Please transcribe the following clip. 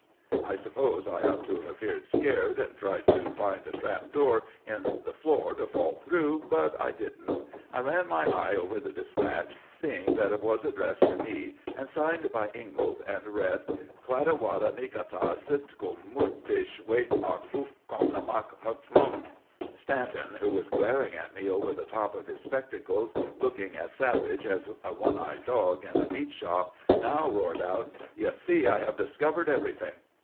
' I suppose I ought to have appeared scared, and tried to find a trap door in the floor to fall through, but I did n't. I ran my eye over the despatch, seeing that it was ad dressed to me and signed by Ingalls, and read :' Klat a wa ni ka sit kum mo litsh weght o coke kon a mox lum.' Stanton, who was glaring at me over the top of his spec tacles, looking as savage as a one eyed dog in a meat shop, now roared out, ' You see I have discovered every thing